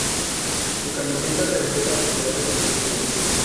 Su camiseta respeta los colores del escudo.